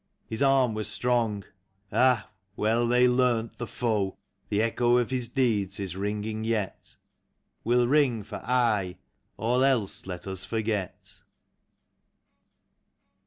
His arm was strong. Ah ! well they learnt, the foe. The echo of his deeds is ringing yet, Will ring for aye. All else ... let us forget.